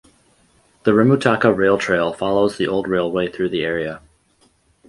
The Remutaka Rail Trail follows the old railway through the area.